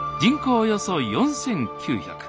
およそ４，９００。